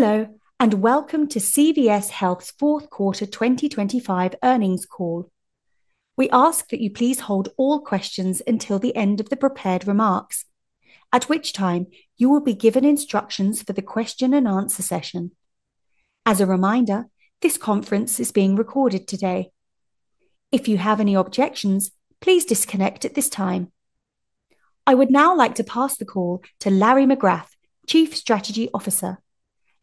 Hello and welcome to CVS Health's Q4 2025 Earnings Call. We ask that you please hold all questions until the end of the prepared remarks, at which time you will be given instructions for the Q&A session. As a reminder, this conference is being recorded today. If you have any objections, please disconnect at this time. I would now like to pass the call to Larry McGrath, Chief Strategy Officer.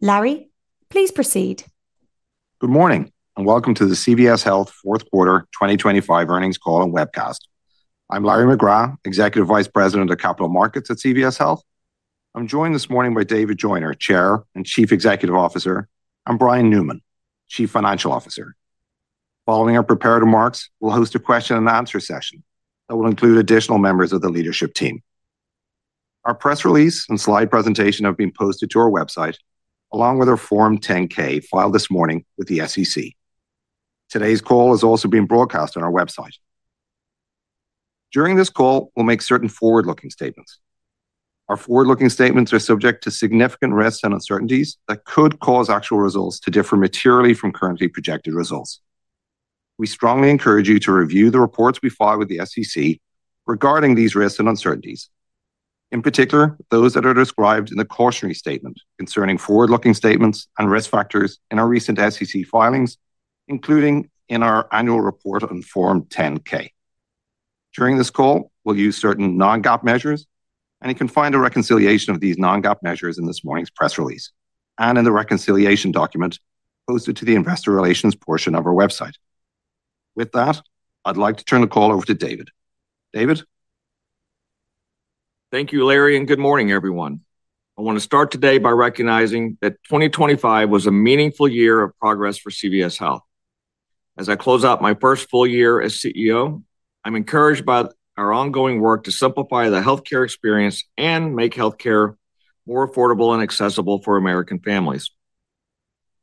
Larry, please proceed. Good morning and welcome to the CVS Health Q4 2025 Earnings Call and Webcast. I'm Larry McGrath, Executive Vice President of Capital Markets at CVS Health. I'm joined this morning by David Joyner, Chair and Chief Executive Officer, and Brian Newman, Chief Financial Officer. Following our prepared remarks, we'll host a Q&A session that will include additional members of the leadership team. Our press release and slide presentation have been posted to our website, along with our Form 10-K filed this morning with the SEC. Today's call has also been broadcast on our website. During this call, we'll make certain forward-looking statements. Our forward-looking statements are subject to significant risks and uncertainties that could cause actual results to differ materially from currently projected results. We strongly encourage you to review the reports we file with the SEC regarding these risks and uncertainties, in particular those that are described in the cautionary statement concerning forward-looking statements and risk factors in our recent SEC filings, including in our annual report on Form 10-K. During this call, we'll use certain non-GAAP measures, and you can find a reconciliation of these non-GAAP measures in this morning's press release and in the reconciliation document posted to the Investor Relations portion of our website. With that, I'd like to turn the call over to David. David? Thank you, Larry, and good morning, everyone. I want to start today by recognizing that 2025 was a meaningful year of progress for CVS Health. As I close out my first full year as CEO, I'm encouraged by our ongoing work to simplify the healthcare experience and make healthcare more affordable and accessible for American families.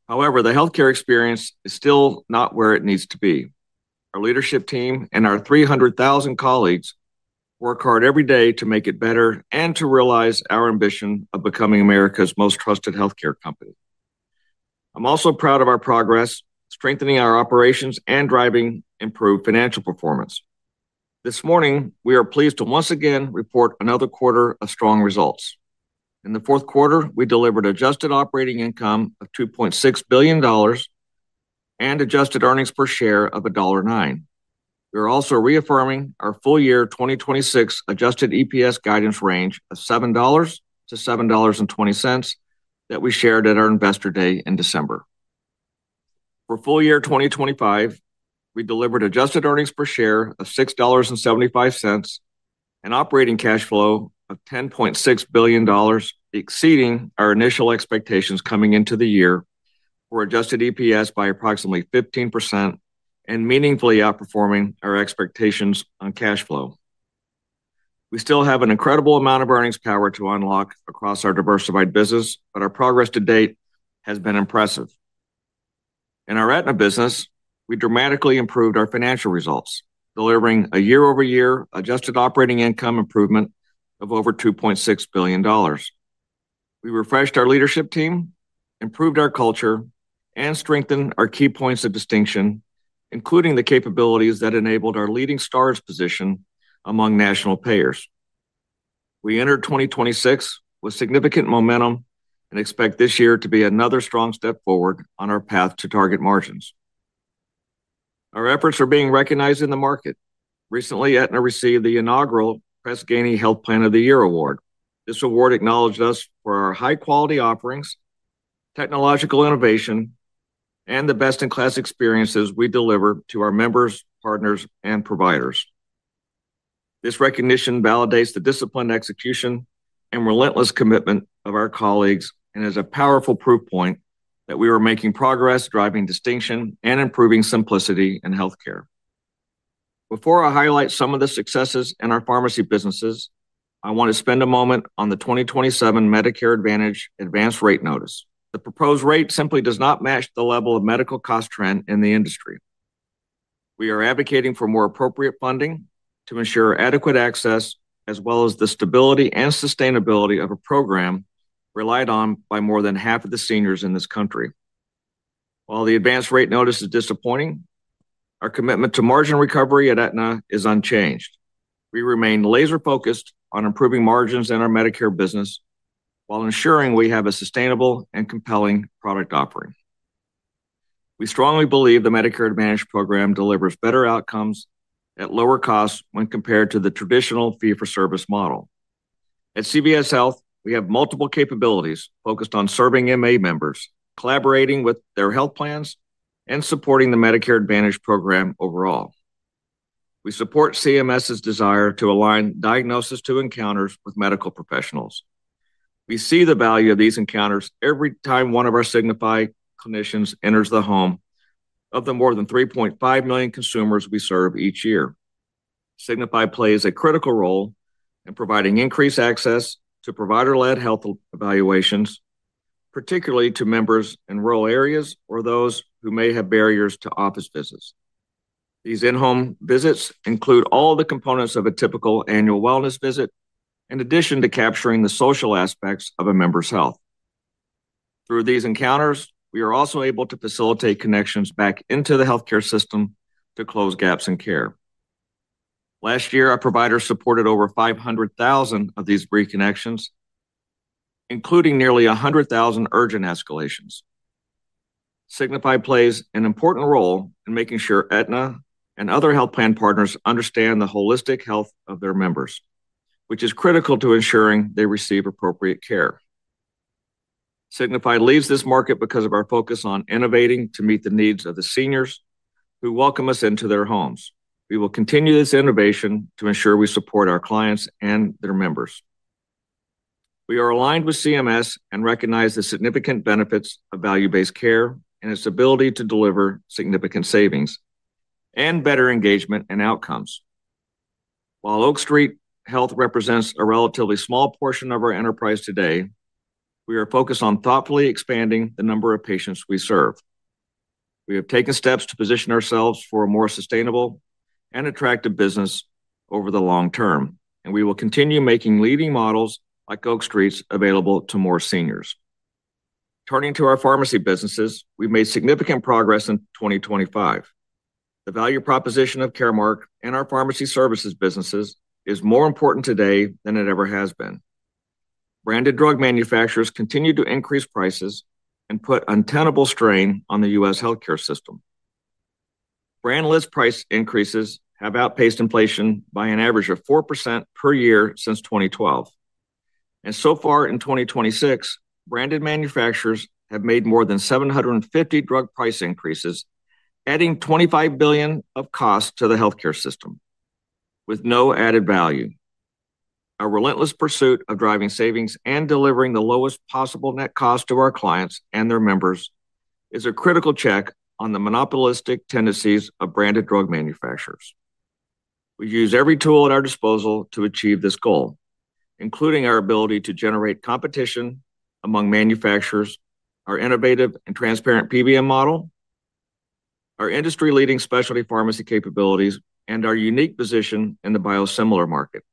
However, the healthcare experience is still not where it needs to be. Our leadership team and our 300,000 colleagues work hard every day to make it better and to realize our ambition of becoming America's most trusted healthcare company. I'm also proud of our progress, strengthening our operations and driving improved financial performance. This morning, we are pleased to once again report another quarter of strong results. In the Q4, we delivered adjusted operating income of $2.6 billion and adjusted earnings per share of $1.09. We are also reaffirming our full year 2026 adjusted EPS guidance range of $7-$7.20 that we shared at our Investor Day in December. For full year 2025, we delivered adjusted earnings per share of $6.75 and operating cash flow of $10.6 billion, exceeding our initial expectations coming into the year, for adjusted EPS by approximately 15% and meaningfully outperforming our expectations on cash flow. We still have an incredible amount of earnings power to unlock across our diversified business, but our progress to date has been impressive. In our Aetna business, we dramatically improved our financial results, delivering a year-over-year adjusted operating income improvement of over $2.6 billion. We refreshed our leadership team, improved our culture, and strengthened our key points of distinction, including the capabilities that enabled our leading stars position among national payers. We entered 2026 with significant momentum and expect this year to be another strong step forward on our path to target margins. Our efforts are being recognized in the market. Recently, Aetna received the inaugural Press Ganey Health Plan of the Year award. This award acknowledged us for our high-quality offerings, technological innovation, and the best-in-class experiences we deliver to our members, partners, and providers. This recognition validates the disciplined execution and relentless commitment of our colleagues and is a powerful proof point that we are making progress, driving distinction, and improving simplicity in healthcare. Before I highlight some of the successes in our pharmacy businesses, I want to spend a moment on the 2027 Medicare Advantage Advanced Rate Notice. The proposed rate simply does not match the level of medical cost trend in the industry. We are advocating for more appropriate funding to ensure adequate access as well as the stability and sustainability of a program relied on by more than half of the seniors in this country. While the Advanced Rate Notice is disappointing, our commitment to margin recovery at Aetna is unchanged. We remain laser-focused on improving margins in our Medicare business while ensuring we have a sustainable and compelling product offering. We strongly believe the Medicare Advantage program delivers better outcomes at lower costs when compared to the traditional fee-for-service model. At CVS Health, we have multiple capabilities focused on serving MA members, collaborating with their health plans, and supporting the Medicare Advantage program overall. We support CMS's desire to align diagnosis-to-encounters with medical professionals. We see the value of these encounters every time one of our Signify clinicians enters the home of the more than 3.5 million consumers we serve each year. Signify plays a critical role in providing increased access to provider-led health evaluations, particularly to members in rural areas or those who may have barriers to office visits. These in-home visits include all the components of a typical annual wellness visit in addition to capturing the social aspects of a member's health. Through these encounters, we are also able to facilitate connections back into the healthcare system to close gaps in care. Last year, our providers supported over 500,000 of these reconnections, including nearly 100,000 urgent escalations. Signify plays an important role in making sure Aetna and other health plan partners understand the holistic health of their members, which is critical to ensuring they receive appropriate care. Signify leaves this market because of our focus on innovating to meet the needs of the seniors who welcome us into their homes. We will continue this innovation to ensure we support our clients and their members. We are aligned with CMS and recognize the significant benefits of value-based care and its ability to deliver significant savings and better engagement and outcomes. While Oak Street Health represents a relatively small portion of our enterprise today, we are focused on thoughtfully expanding the number of patients we serve. We have taken steps to position ourselves for a more sustainable and attractive business over the long term, and we will continue making leading models like Oak Street's available to more seniors. Turning to our pharmacy businesses, we made significant progress in 2025. The value proposition of Caremark and our pharmacy services businesses is more important today than it ever has been. Branded drug manufacturers continue to increase prices and put untenable strain on the U.S. healthcare system. Brand-list price increases have outpaced inflation by an average of 4% per year since 2012. And so far in 2026, branded manufacturers have made more than 750 drug price increases, adding $25 billion of cost to the healthcare system with no added value. Our relentless pursuit of driving savings and delivering the lowest possible net cost to our clients and their members is a critical check on the monopolistic tendencies of branded drug manufacturers. We use every tool at our disposal to achieve this goal, including our ability to generate competition among manufacturers, our innovative and transparent PBM model, our industry-leading specialty pharmacy capabilities, and our unique position in the biosimilar market.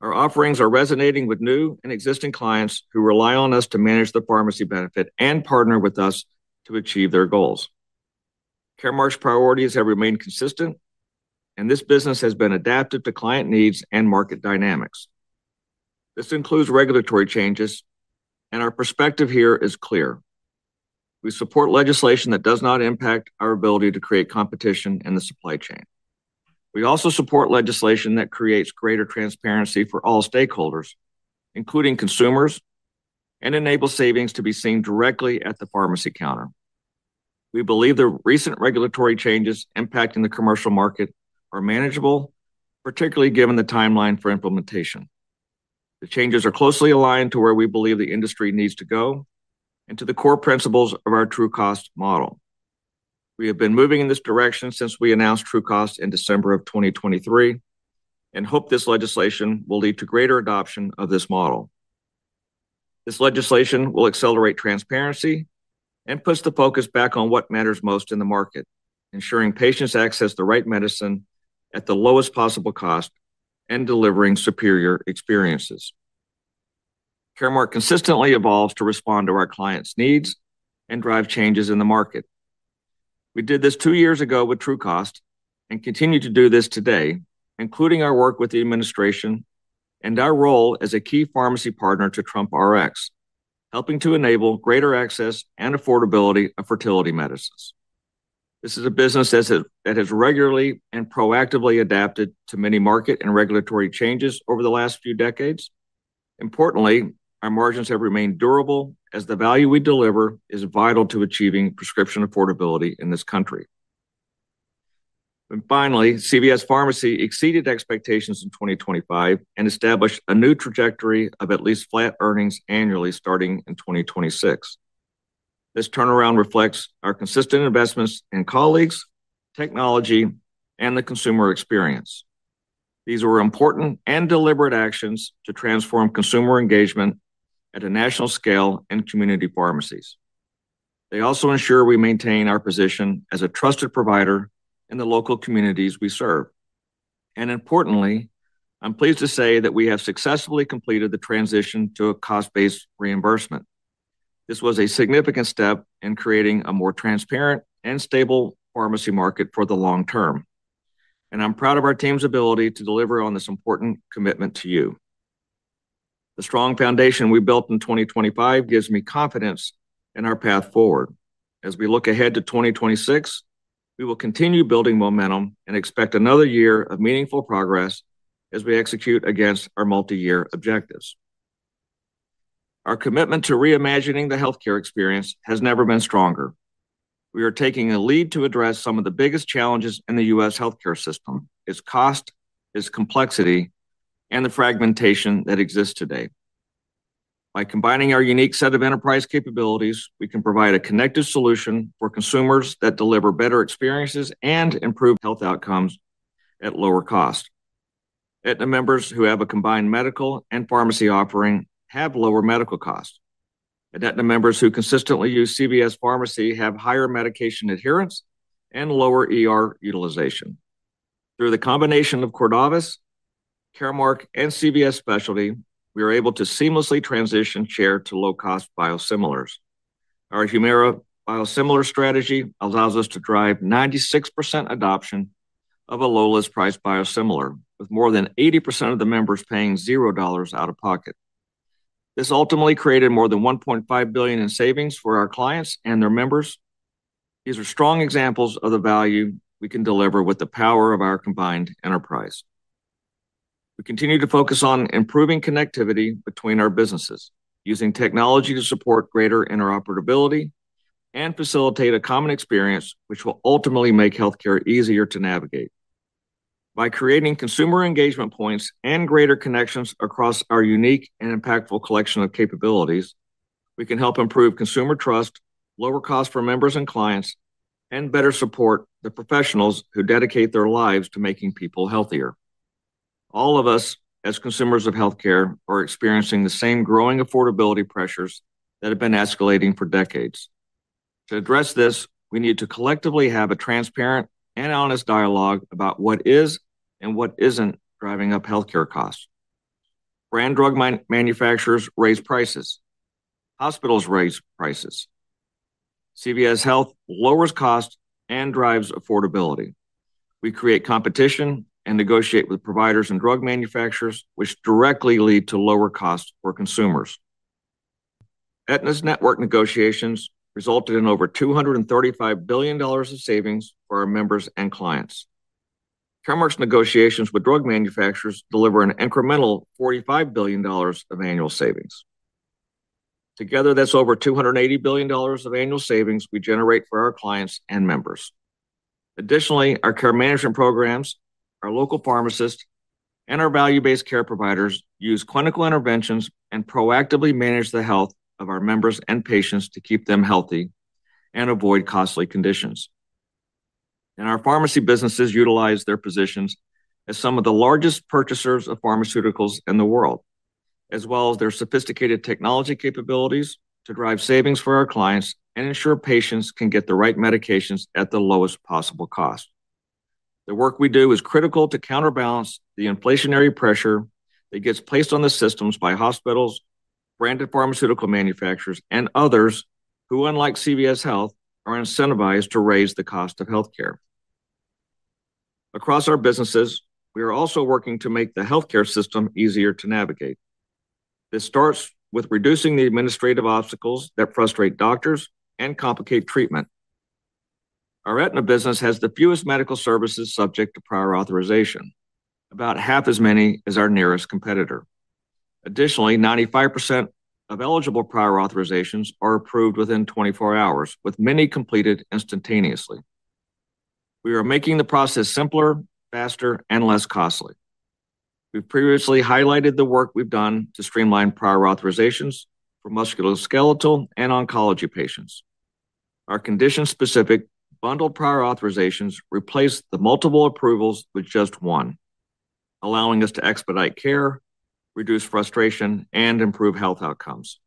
Our offerings are resonating with new and existing clients who rely on us to manage the pharmacy benefit and partner with us to achieve their goals. Caremark's priorities have remained consistent, and this business has been adapted to client needs and market dynamics. This includes regulatory changes, and our perspective here is clear. We support legislation that does not impact our ability to create competition in the supply chain. We also support legislation that creates greater transparency for all stakeholders, including consumers, and enables savings to be seen directly at the pharmacy counter. We believe the recent regulatory changes impacting the commercial market are manageable, particularly given the timeline for implementation. The changes are closely aligned to where we believe the industry needs to go and to the core principles of our TrueCost model. We have been moving in this direction since we announced TrueCost in December of 2023 and hope this legislation will lead to greater adoption of this model. This legislation will accelerate transparency and push the focus back on what matters most in the market, ensuring patients access the right medicine at the lowest possible cost and delivering superior experiences. Caremark consistently evolves to respond to our clients' needs and drive changes in the market. We did this two years ago with TrueCost and continue to do this today, including our work with the administration and our role as a key pharmacy partner to Trump Rx, helping to enable greater access and affordability of fertility medicines. This is a business that has regularly and proactively adapted to many market and regulatory changes over the last few decades. Importantly, our margins have remained durable as the value we deliver is vital to achieving prescription affordability in this country. And finally, CVS Pharmacy exceeded expectations in 2025 and established a new trajectory of at least flat earnings annually starting in 2026. This turnaround reflects our consistent investments in colleagues, technology, and the consumer experience. These were important and deliberate actions to transform consumer engagement at a national scale in community pharmacies. They also ensure we maintain our position as a trusted provider in the local communities we serve. And importantly, I'm pleased to say that we have successfully completed the transition to a cost-based reimbursement. This was a significant step in creating a more transparent and stable pharmacy market for the long term, and I'm proud of our team's ability to deliver on this important commitment to you. The strong foundation we built in 2025 gives me confidence in our path forward. As we look ahead to 2026, we will continue building momentum and expect another year of meaningful progress as we execute against our multi-year objectives. Our commitment to reimagining the healthcare experience has never been stronger. We are taking the lead to address some of the biggest challenges in the U.S. healthcare system: its cost, its complexity, and the fragmentation that exists today. By combining our unique set of enterprise capabilities, we can provide a connective solution for consumers that deliver better experiences and improve health outcomes at lower cost. Aetna members who have a combined medical and pharmacy offering have lower medical costs. Aetna members who consistently use CVS Pharmacy have higher medication adherence and lower utilization. Through the combination of Cordavis, Caremark, and CVS Specialty, we are able to seamlessly transition care to low-cost biosimilars. Our Humira biosimilar strategy allows us to drive 96% adoption of a low-list price biosimilar, with more than 80% of the members paying $0 out of pocket. This ultimately created more than $1.5 billion in savings for our clients and their members. These are strong examples of the value we can deliver with the power of our combined enterprise. We continue to focus on improving connectivity between our businesses, using technology to support greater interoperability and facilitate a common experience which will ultimately make healthcare easier to navigate. By creating consumer engagement points and greater connections across our unique and impactful collection of capabilities, we can help improve consumer trust, lower costs for members and clients, and better support the professionals who dedicate their lives to making people healthier. All of us, as consumers of healthcare, are experiencing the same growing affordability pressures that have been escalating for decades. To address this, we need to collectively have a transparent and honest dialogue about what is and what isn't driving up healthcare costs. Brand drug manufacturers raise prices. Hospitals raise prices. CVS Health lowers costs and drives affordability. We create competition and negotiate with providers and drug manufacturers, which directly lead to lower costs for consumers. Aetna's network negotiations resulted in over $235 billion of savings for our members and clients. Caremark's negotiations with drug manufacturers deliver an incremental $45 billion of annual savings. Together, that's over $280 billion of annual savings we generate for our clients and members. Additionally, our care management programs, our local pharmacists, and our value-based care providers use clinical interventions and proactively manage the health of our members and patients to keep them healthy and avoid costly conditions. Our pharmacy businesses utilize their positions as some of the largest purchasers of pharmaceuticals in the world, as well as their sophisticated technology capabilities to drive savings for our clients and ensure patients can get the right medications at the lowest possible cost. The work we do is critical to counterbalance the inflationary pressure that gets placed on the systems by hospitals, branded pharmaceutical manufacturers, and others who, unlike CVS Health, are incentivized to raise the cost of healthcare. Across our businesses, we are also working to make the healthcare system easier to navigate. This starts with reducing the administrative obstacles that frustrate doctors and complicate treatment. Our Aetna business has the fewest medical services subject to prior authorization, about half as many as our nearest competitor. Additionally, 95% of eligible prior authorizations are approved within 24 hours, with many completed instantaneously. We are making the process simpler, faster, and less costly. We've previously highlighted the work we've done to streamline prior authorizations for musculoskeletal and oncology patients. Our condition-specific bundle prior authorizations replace the multiple approvals with just one, allowing us to expedite care, reduce frustration, and improve health outcomes.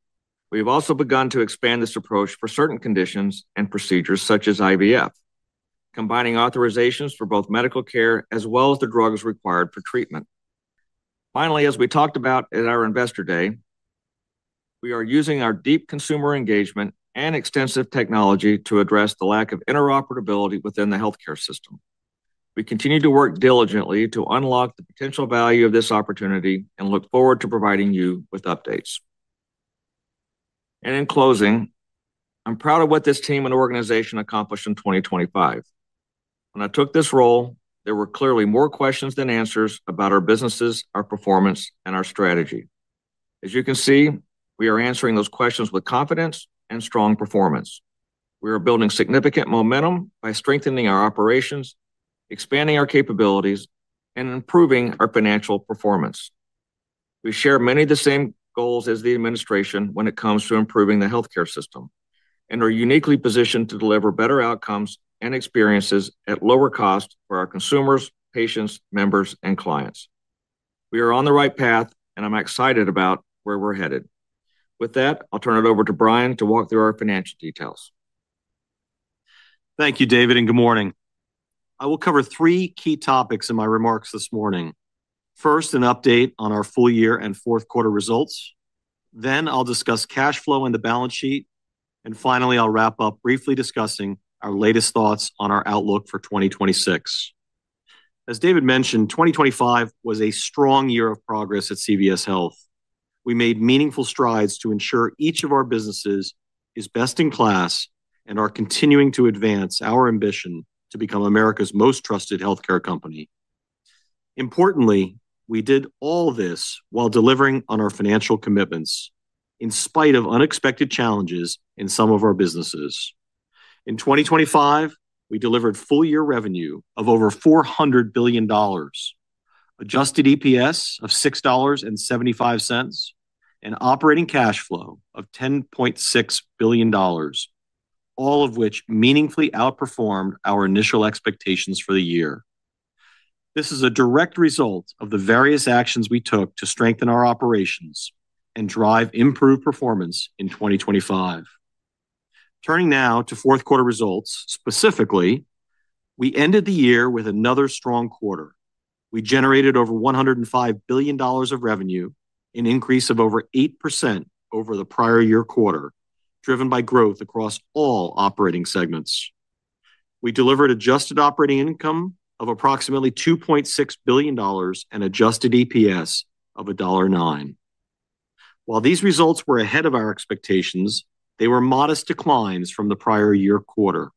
We have also begun to expand this approach for certain conditions and procedures such as IVF, combining authorizations for both medical care as well as the drugs required for treatment. Finally, as we talked about at our investor day, we are using our deep consumer engagement and extensive technology to address the lack of interoperability within the healthcare system. We continue to work diligently to unlock the potential value of this opportunity and look forward to providing you with updates. In closing, I'm proud of what this team and organization accomplished in 2025. When I took this role, there were clearly more questions than answers about our businesses, our performance, and our strategy. As you can see, we are answering those questions with confidence and strong performance. We are building significant momentum by strengthening our operations, expanding our capabilities, and improving our financial performance. We share many of the same goals as the administration when it comes to improving the healthcare system and are uniquely positioned to deliver better outcomes and experiences at lower cost for our consumers, patients, members, and clients. We are on the right path, and I'm excited about where we're headed. With that, I'll turn it over to Brian to walk through our financial details. Thank you, David, and good morning. I will cover three key topics in my remarks this morning. First, an update on our full year and Q4 results. Then I'll discuss cash flow and the balance sheet. Finally, I'll wrap up briefly discussing our latest thoughts on our outlook for 2026. As David mentioned, 2025 was a strong year of progress at CVS Health. We made meaningful strides to ensure each of our businesses is best in class and are continuing to advance our ambition to become America's most trusted healthcare company. Importantly, we did all this while delivering on our financial commitments in spite of unexpected challenges in some of our businesses. In 2025, we delivered full year revenue of over $400 billion, adjusted EPS of $6.75, and operating cash flow of $10.6 billion, all of which meaningfully outperformed our initial expectations for the year. This is a direct result of the various actions we took to strengthen our operations and drive improved performance in 2025. Turning now to Q4 results, specifically, we ended the year with another strong quarter. We generated over $105 billion of revenue, an increase of over 8% over the prior year quarter, driven by growth across all operating segments. We delivered adjusted operating income of approximately $2.6 billion and adjusted EPS of $1.9. While these results were ahead of our expectations, they were modest declines from the prior year quarter.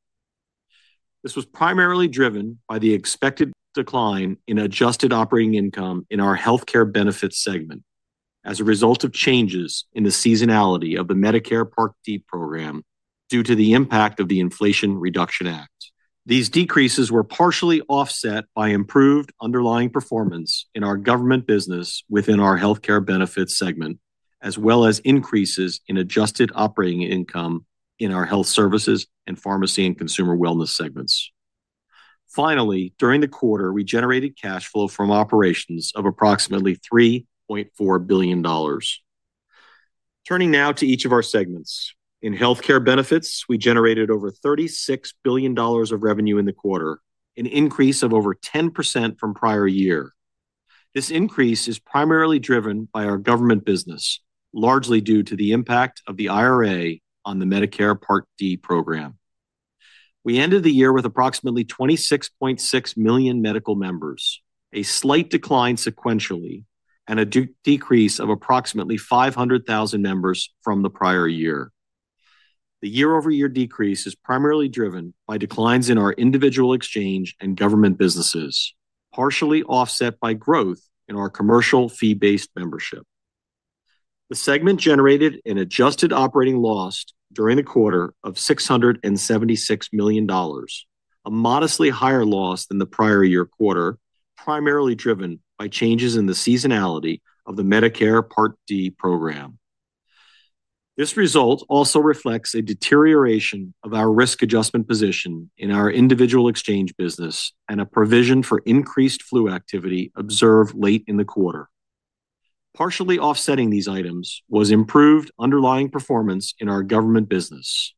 This was primarily driven by the expected decline in adjusted operating income in our healthcare benefits segment as a result of changes in the seasonality of the Medicare Part D program due to the impact of the Inflation Reduction Act. These decreases were partially offset by improved underlying performance in our government business within our healthcare benefits segment, as well as increases in adjusted operating income in our health services and pharmacy and consumer wellness segments. Finally, during the quarter, we generated cash flow from operations of approximately $3.4 billion. Turning now to each of our segments. In healthcare benefits, we generated over $36 billion of revenue in the quarter, an increase of over 10% from prior year. This increase is primarily driven by our government business, largely due to the impact of the IRA on the Medicare Part D program. We ended the year with approximately 26.6 million medical members, a slight decline sequentially, and a decrease of approximately 500,000 members from the prior year. The year-over-year decrease is primarily driven by declines in our individual exchange and government businesses, partially offset by growth in our commercial fee-based membership. The segment generated an adjusted operating loss during the quarter of $676 million, a modestly higher loss than the prior year quarter, primarily driven by changes in the seasonality of the Medicare Part D program. This result also reflects a deterioration of our risk adjustment position in our individual exchange business and a provision for increased flu activity observed late in the quarter. Partially offsetting these items was improved underlying performance in our government business.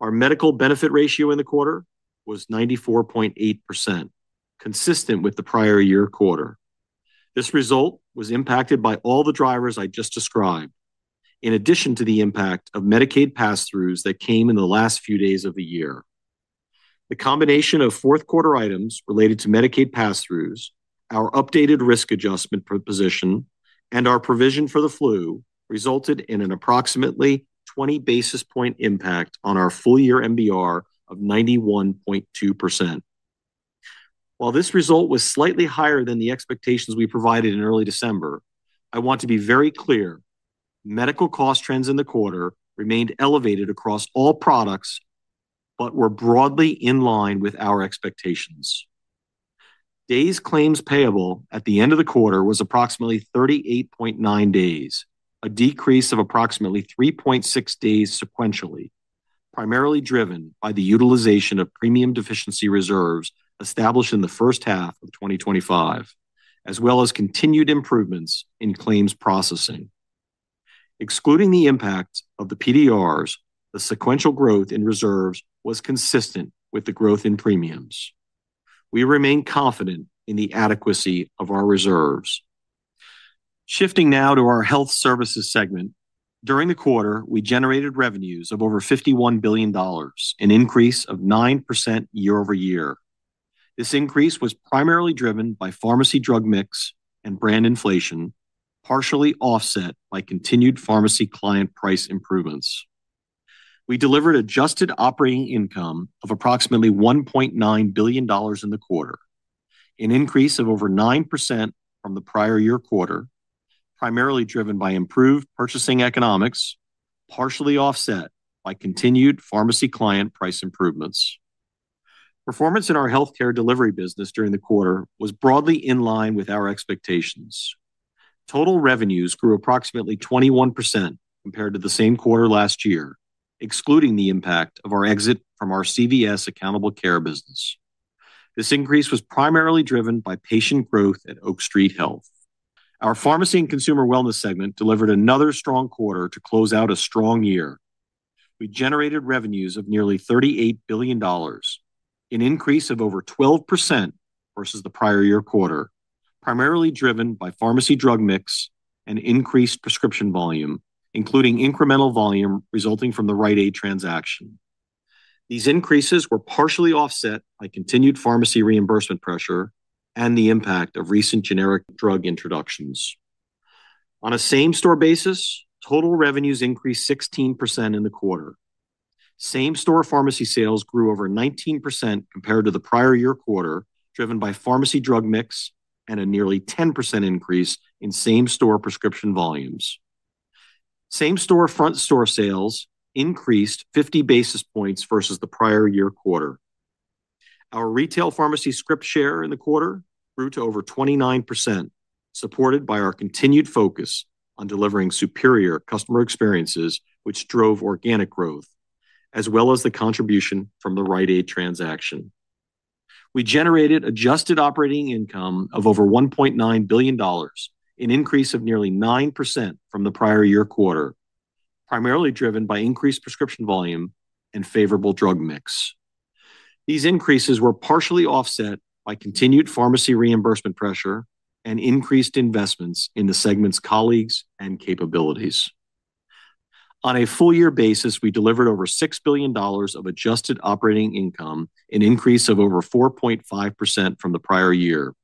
Our Medical Benefit Ratio in the quarter was 94.8%, consistent with the prior year quarter. This result was impacted by all the drivers I just described, in addition to the impact of Medicaid pass-throughs that came in the last few days of the year. The combination of Q4 items related to Medicaid pass-throughs, our updated risk adjustment position, and our provision for the flu resulted in an approximately 20 basis point impact on our full year MBR of 91.2%. While this result was slightly higher than the expectations we provided in early December, I want to be very clear: medical cost trends in the quarter remained elevated across all products but were broadly in line with our expectations. Days Claims Payable at the end of the quarter was approximately 38.9 days, a decrease of approximately 3.6 days sequentially, primarily driven by the utilization of premium deficiency reserves established in the H1 of 2025, as well as continued improvements in claims processing. Excluding the impact of the PDRs, the sequential growth in reserves was consistent with the growth in premiums. We remain confident in the adequacy of our reserves. Shifting now to our health services segment. During the quarter, we generated revenues of over $51 billion, an increase of 9% year-over-year. This increase was primarily driven by pharmacy drug mix and brand inflation, partially offset by continued pharmacy client price improvements. We delivered adjusted operating income of approximately $1.9 billion in the quarter, an increase of over 9% from the prior year quarter, primarily driven by improved purchasing economics, partially offset by continued pharmacy client price improvements. Performance in our healthcare delivery business during the quarter was broadly in line with our expectations. Total revenues grew approximately 21% compared to the same quarter last year, excluding the impact of our exit from our CVS accountable care business. This increase was primarily driven by patient growth at Oak Street Health. Our pharmacy and consumer wellness segment delivered another strong quarter to close out a strong year. We generated revenues of nearly $38 billion, an increase of over 12% versus the prior year quarter, primarily driven by pharmacy drug mix and increased prescription volume, including incremental volume resulting from the Rite Aid transaction. These increases were partially offset by continued pharmacy reimbursement pressure and the impact of recent generic drug introductions. On a same-store basis, total revenues increased 16% in the quarter. Same-store pharmacy sales grew over 19% compared to the prior year quarter, driven by pharmacy drug mix and a nearly 10% increase in same-store prescription volumes. Same-store front-store sales increased 50 basis points versus the prior year quarter. Our retail pharmacy script share in the quarter grew to over 29%, supported by our continued focus on delivering superior customer experiences, which drove organic growth, as well as the contribution from the Rite Aid transaction. We generated adjusted operating income of over $1.9 billion, an increase of nearly 9% from the prior year quarter, primarily driven by increased prescription volume and favorable drug mix. These increases were partially offset by continued pharmacy reimbursement pressure and increased investments in the segment's colleagues and capabilities. On a full year basis, we delivered over $6 billion of adjusted operating income, an increase of over 4.5% from the prior year.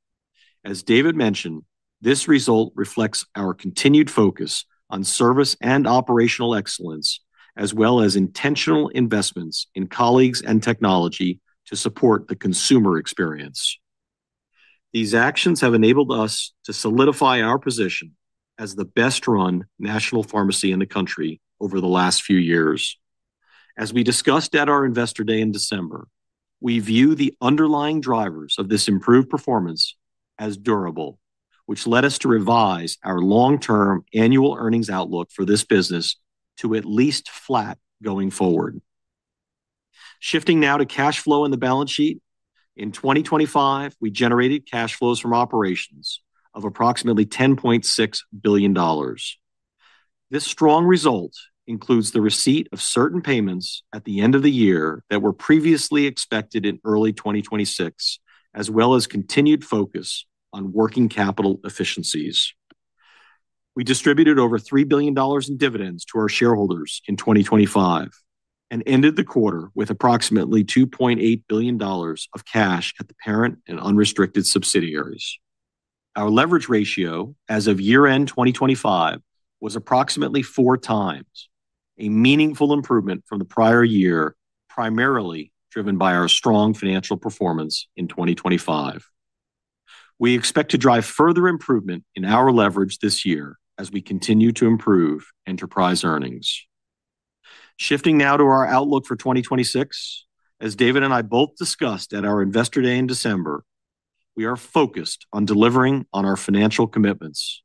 As David mentioned, this result reflects our continued focus on service and operational excellence, as well as intentional investments in colleagues and technology to support the consumer experience. These actions have enabled us to solidify our position as the best-run national pharmacy in the country over the last few years. As we discussed at our investor day in December, we view the underlying drivers of this improved performance as durable, which led us to revise our long-term annual earnings outlook for this business to at least flat going forward. Shifting now to cash flow and the balance sheet. In 2025, we generated cash flows from operations of approximately $10.6 billion. This strong result includes the receipt of certain payments at the end of the year that were previously expected in early 2026, as well as continued focus on working capital efficiencies. We distributed over $3 billion in dividends to our shareholders in 2025 and ended the quarter with approximately $2.8 billion of cash at the parent and unrestricted subsidiaries. Our leverage ratio as of year-end 2025 was approximately four times, a meaningful improvement from the prior year, primarily driven by our strong financial performance in 2025. We expect to drive further improvement in our leverage this year as we continue to improve enterprise earnings. Shifting now to our outlook for 2026. As David and I both discussed at our investor day in December, we are focused on delivering on our financial commitments.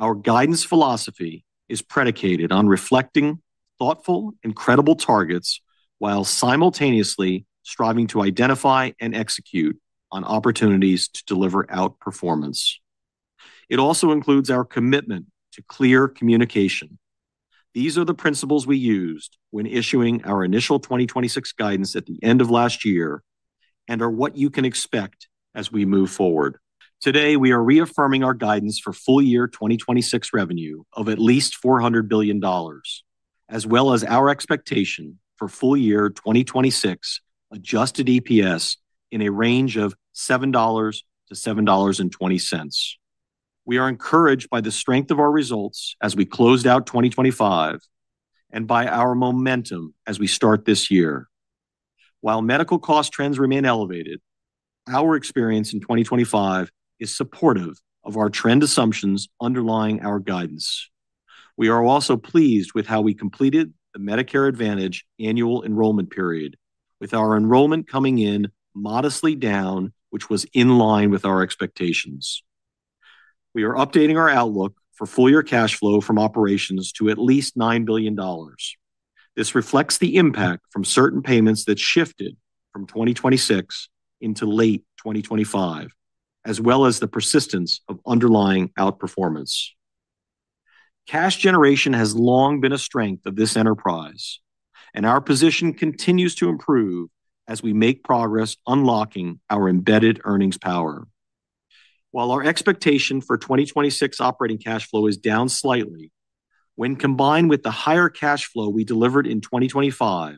Our guidance philosophy is predicated on reflecting thoughtful, incredible targets while simultaneously striving to identify and execute on opportunities to deliver outperformance. It also includes our commitment to clear communication. These are the principles we used when issuing our initial 2026 guidance at the end of last year and are what you can expect as we move forward. Today, we are reaffirming our guidance for full year 2026 revenue of at least $400 billion, as well as our expectation for full year 2026 adjusted EPS in a range of $7-$7.20. We are encouraged by the strength of our results as we close out 2025 and by our momentum as we start this year. While medical cost trends remain elevated, our experience in 2025 is supportive of our trend assumptions underlying our guidance. We are also pleased with how we completed the Medicare Advantage annual enrollment period, with our enrollment coming in modestly down, which was in line with our expectations. We are updating our outlook for full year cash flow from operations to at least $9 billion. This reflects the impact from certain payments that shifted from 2026 into late 2025, as well as the persistence of underlying outperformance. Cash generation has long been a strength of this enterprise, and our position continues to improve as we make progress unlocking our embedded earnings power. While our expectation for 2026 operating cash flow is down slightly, when combined with the higher cash flow we delivered in 2025,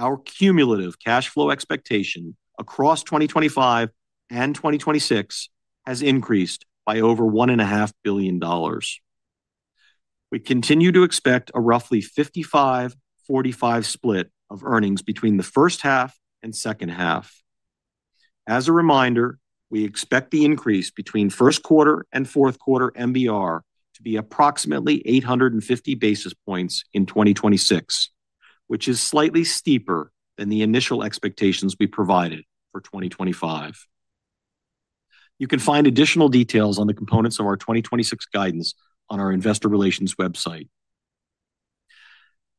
our cumulative cash flow expectation across 2025 and 2026 has increased by over $1.5 billion. We continue to expect a roughly 55/45 split of earnings between the H1 and H2. As a reminder, we expect the increase between Q1 and Q4 MBR to be approximately 850 basis points in 2026, which is slightly steeper than the initial expectations we provided for 2025. You can find additional details on the components of our 2026 guidance on our investor relations website.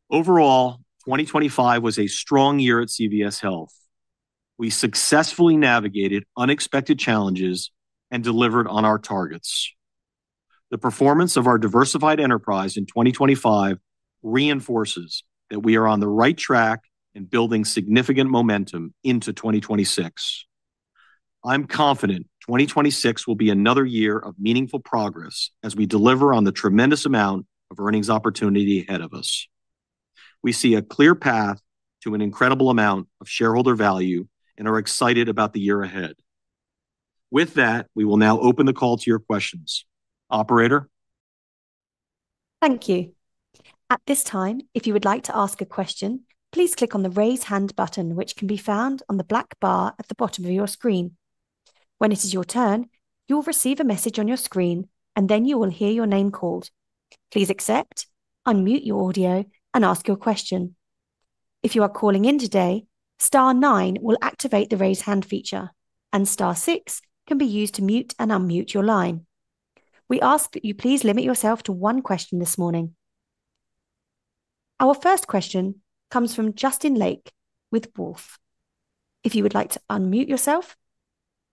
Overall, 2025 was a strong year at CVS Health. We successfully navigated unexpected challenges and delivered on our targets. The performance of our diversified enterprise in 2025 reinforces that we are on the right track and building significant momentum into 2026. I'm confident 2026 will be another year of meaningful progress as we deliver on the tremendous amount of earnings opportunity ahead of us. We see a clear path to an incredible amount of shareholder value and are excited about the year ahead. With that, we will now open the call to your questions. Operator? Thank you. At this time, if you would like to ask a question, please click on the raise hand button, which can be found on the black bar at the bottom of your screen. When it is your turn, you'll receive a message on your screen, and then you will hear your name called. Please accept, unmute your audio, and ask your question. If you are calling in today, star nine will activate the raise hand feature, and star six can be used to mute and unmute your line. We ask that you please limit yourself to one question this morning. Our first question comes from Justin Lake with Wolfe. If you would like to unmute yourself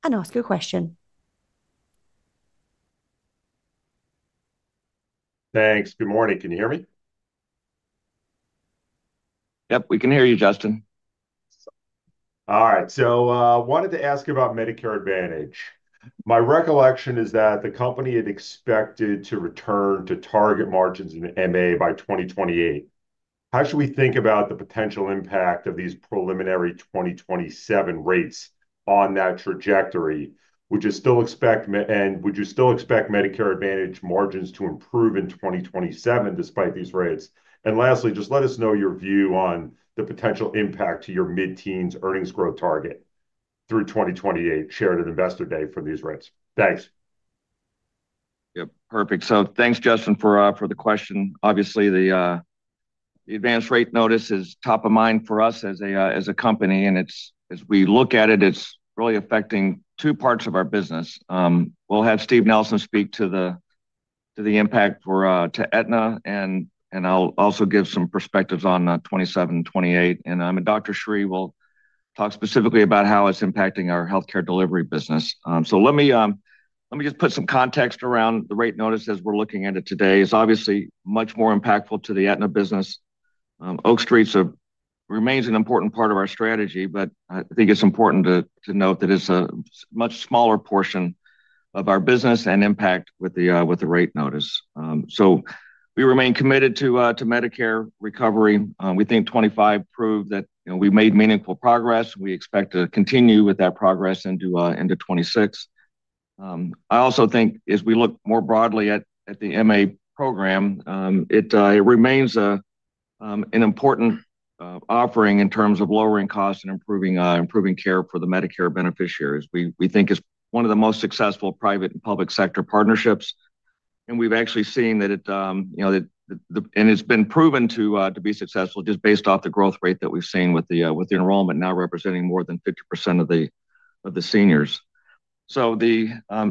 and ask your question. Thanks. Good morning. Can you hear me? Yep, we can hear you, Justin. All right. So I wanted to ask about Medicare Advantage. My recollection is that the company had expected to return to target margins in MA by 2028. How should we think about the potential impact of these preliminary 2027 rates on that trajectory? Would you still expect and would you still expect Medicare Advantage margins to improve in 2027 despite these rates? And lastly, just let us know your view on the potential impact to your mid-teens earnings growth target through 2028 shared at investor day for these rates. Thanks. Yep. Perfect. So thanks, Justin, for the question. Obviously, the Advanced Rate Notice is top of mind for us as a company, and as we look at it, it's really affecting two parts of our business. We'll have Steve Nelson speak to the impact for Aetna, and I'll also give some perspectives on 2027 and 2028. And now, Dr. Sree. We'll talk specifically about how it's impacting our healthcare delivery business. So let me just put some context around the rate notice as we're looking at it today. It's obviously much more impactful to the Aetna business. Oak Street remains an important part of our strategy, but I think it's important to note that it's a much smaller portion of our business and impact with the rate notice. So we remain committed to Medicare recovery. We think 2025 proved that we made meaningful progress. We expect to continue with that progress into 2026. I also think as we look more broadly at the MA program, it remains an important offering in terms of lowering costs and improving care for the Medicare beneficiaries. We think it's one of the most successful private and public sector partnerships. We've actually seen that it and it's been proven to be successful just based off the growth rate that we've seen with the enrollment now representing more than 50% of the seniors. Two things in the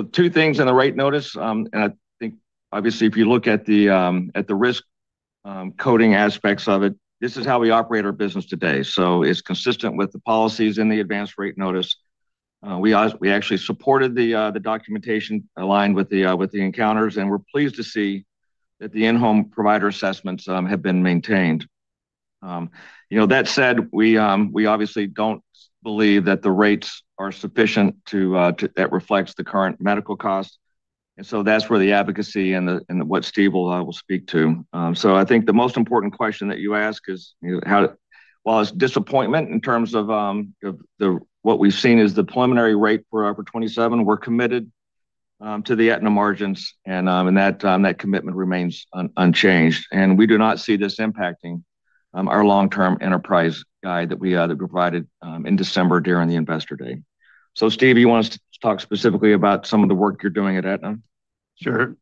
Advanced Rate Notice. I think, obviously, if you look at the risk coding aspects of it, this is how we operate our business today. It's consistent with the policies in the Advanced Rate Notice. We actually supported the documentation aligned with the encounters, and we're pleased to see that the in-home provider assessments have been maintained. That said, we obviously don't believe that the rates are sufficient that reflect the current medical cost. And so that's where the advocacy and what Steve will speak to. So I think the most important question that you ask is, while it's disappointment in terms of what we've seen as the preliminary rate for 2027, we're committed to the Aetna margins, and that commitment remains unchanged. And we do not see this impacting our long-term enterprise guide that we provided in December during the investor day. So Steve, you want us to talk specifically about some of the work you're doing at Aetna? Sure.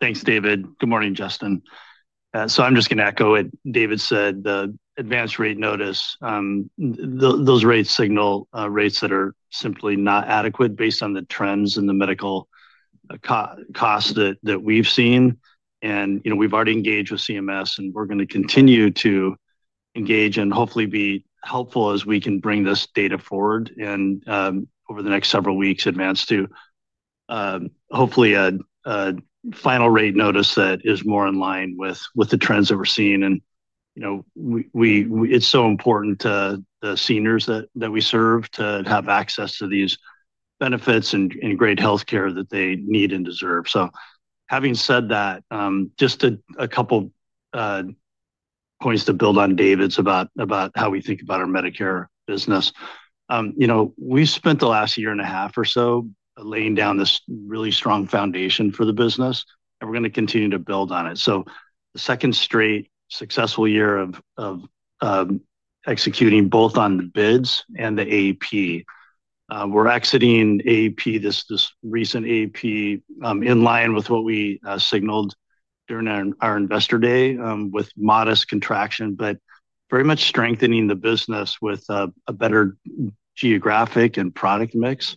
Thanks, David. Good morning, Justin. So I'm just going to echo what David said. The Advanced Rate Notice, those rates signal rates that are simply not adequate based on the trends and the medical costs that we've seen. We've already engaged with CMS, and we're going to continue to engage and hopefully be helpful as we can bring this data forward and over the next several weeks advance to hopefully a final rate notice that is more in line with the trends that we're seeing. And it's so important to the seniors that we serve to have access to these benefits and great healthcare that they need and deserve. So having said that, just a couple points to build on David's about how we think about our Medicare business. We've spent the last year and a half or so laying down this really strong foundation for the business, and we're going to continue to build on it. So the second straight successful year of executing both on the bids and the AEP. We're exiting AEP, this recent AEP, in line with what we signaled during our investor day with modest contraction, but very much strengthening the business with a better geographic and product mix.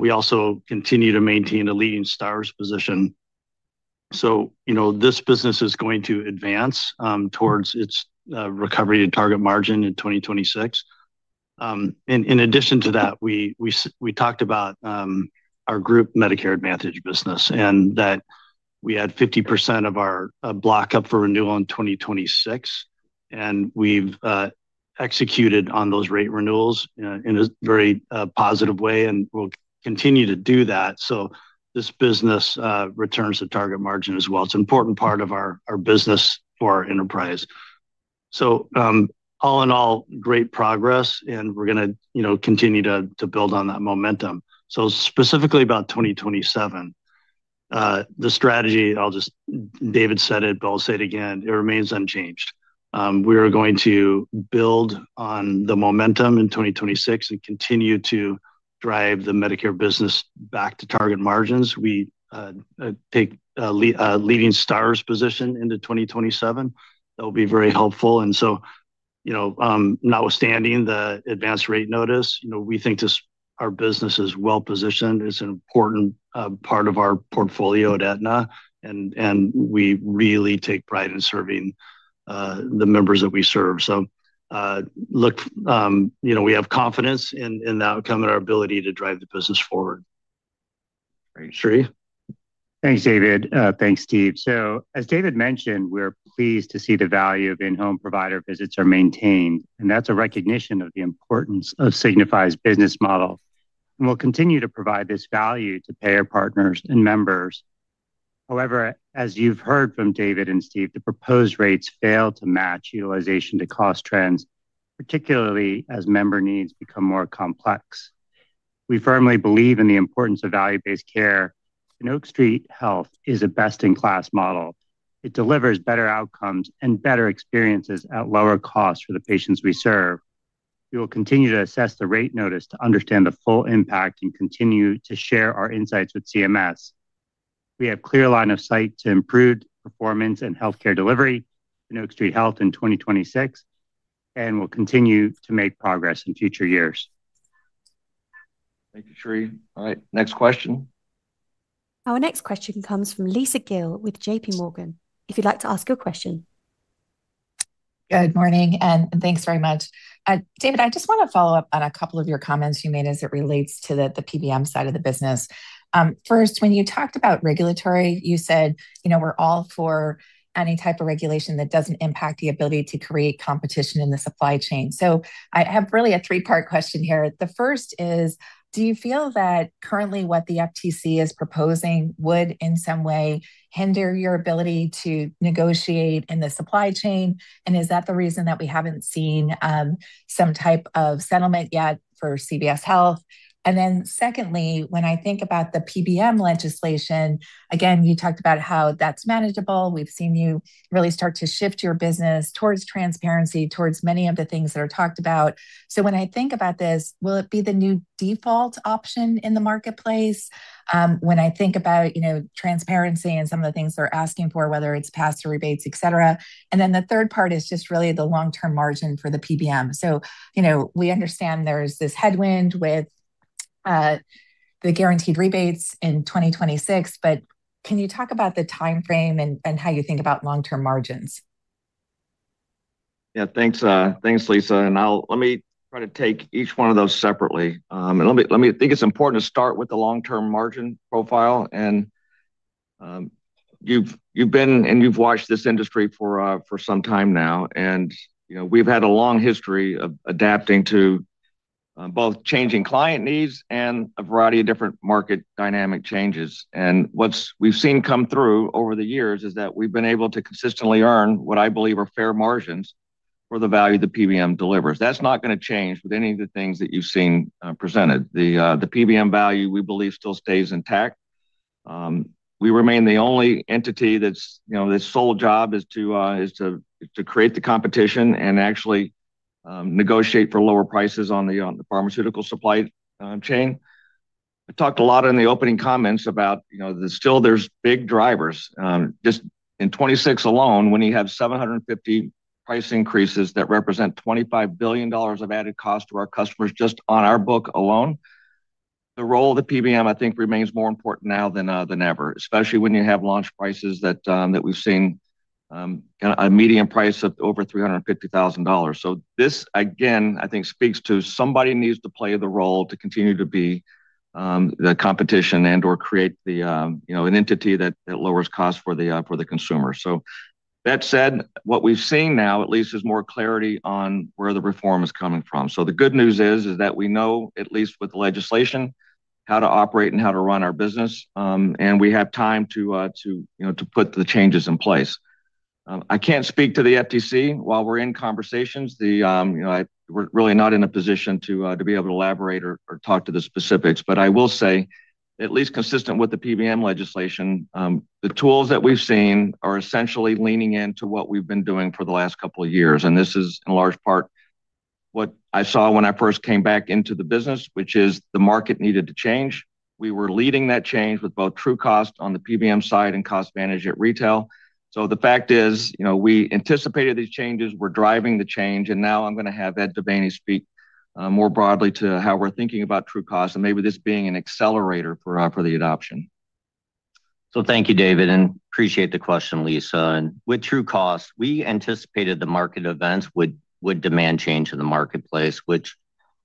We also continue to maintain a leading Stars position. So this business is going to advance towards its recovery to target margin in 2026. In addition to that, we talked about our group Medicare Advantage business and that we had 50% of our block up for renewal in 2026. We've executed on those rate renewals in a very positive way, and we'll continue to do that. So this business returns to target margin as well. It's an important part of our business for our enterprise. So all in all, great progress, and we're going to continue to build on that momentum. So specifically about 2027, the strategy, David said it, but I'll say it again, it remains unchanged. We are going to build on the momentum in 2026 and continue to drive the Medicare business back to target margins. We take a leading Stars position into 2027. That will be very helpful. And so notwithstanding the Advanced Rate Notice, we think our business is well positioned. It's an important part of our portfolio at Aetna, and we really take pride in serving the members that we serve. So we have confidence in the outcome and our ability to drive the business forward. Great. Sree? Thanks, David. Thanks, Steve. So as David mentioned, we're pleased to see the value of in-home provider visits are maintained, and that's a recognition of the importance of Signify's business model. And we'll continue to provide this value to payer partners and members. However, as you've heard from David and Steve, the proposed rates fail to match utilization-to-cost trends, particularly as member needs become more complex. We firmly believe in the importance of value-based care, and Oak Street Health is a best-in-class model. It delivers better outcomes and better experiences at lower costs for the patients we serve. We will continue to assess the rate notice to understand the full impact and continue to share our insights with CMS. We have a clear line of sight to improved performance and healthcare delivery in Oak Street Health in 2026, and we'll continue to make progress in future years. Thank you, Sree. All right. Next question. Our next question comes from Lisa Gill with J.P. Morgan. If you'd like to ask your question. Good morning, and thanks very much. David, I just want to follow up on a couple of your comments you made as it relates to the PBM side of the business. First, when you talked about regulatory, you said we're all for any type of regulation that doesn't impact the ability to create competition in the supply chain. I have really a three-part question here. The first is, do you feel that currently what the FTC is proposing would in some way hinder your ability to negotiate in the supply chain? And is that the reason that we haven't seen some type of settlement yet for CVS Health? Then secondly, when I think about the PBM legislation, again, you talked about how that's manageable. We've seen you really start to shift your business towards transparency, towards many of the things that are talked about. When I think about this, will it be the new default option in the marketplace? When I think about transparency and some of the things they're asking for, whether it's pass-through rebates, etc. Then the third part is just really the long-term margin for the PBM. We understand there's this headwind with the guaranteed rebates in 2026, but can you talk about the timeframe and how you think about long-term margins? Thanks, Lisa. And let me try to take each one of those separately. And I think it's important to start with the long-term margin profile. And you've watched this industry for some time now. And we've had a long history of adapting to both changing client needs and a variety of different market dynamic changes. And what we've seen come through over the years is that we've been able to consistently earn what I believe are fair margins for the value the PBM delivers. That's not going to change with any of the things that you've seen presented. The PBM value, we believe, still stays intact. We remain the only entity that's its sole job is to create the competition and actually negotiate for lower prices on the pharmaceutical supply chain. I talked a lot in the opening comments about still there's big drivers. Just in 2026 alone, when you have 750 price increases that represent $25 billion of added cost to our customers just on our book alone, the role of the PBM, I think, remains more important now than ever, especially when you have launch prices that we've seen a median price of over $350,000. So this, again, I think speaks to somebody needs to play the role to continue to be the competition and/or create an entity that lowers costs for the consumer. So that said, what we've seen now, at least, is more clarity on where the reform is coming from. So the good news is that we know, at least with legislation, how to operate and how to run our business. And we have time to put the changes in place. I can't speak to the FTC while we're in conversations. We're really not in a position to be able to elaborate or talk to the specifics. But I will say, at least consistent with the PBM legislation, the tools that we've seen are essentially leaning into what we've been doing for the last couple of years. And this is in large part what I saw when I first came back into the business, which is the market needed to change. We were leading that change with both TrueCost on the PBM side and CostVantage at retail. So the fact is, we anticipated these changes. We're driving the change. And now I'm going to have Ed DeVaney speak more broadly to how we're thinking about TrueCost and maybe this being an accelerator for the adoption. So thank you, David. Appreciate the question, Lisa. With TrueCost, we anticipated the market events would demand change in the marketplace, which